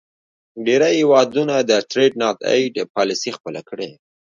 ډیری هیوادونو د Trade not aid پالیسي خپله کړې.